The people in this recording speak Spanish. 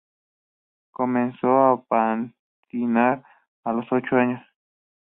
Comenzó a patinar a los ocho años.